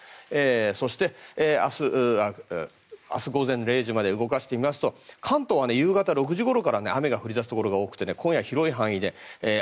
そして、明日午前０時まで動かしてみますと関東は夕方６時ごろから雨が降り出すところが多くて今夜、広い範囲で雨。